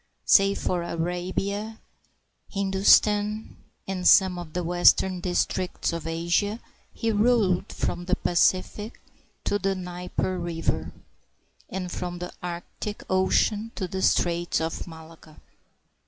Save for Arabia, Hindu stan, and some of the western districts of Asia, he ruled from the Pacific to the Dnieper River, and from the Arctic Ocean to the Straits of Malacca.